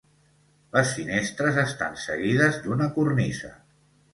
Les finestres estan seguides d'una cornisa.